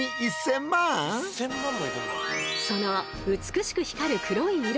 その美しく光る黒い色から